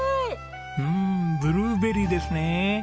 うんブルーベリーですね。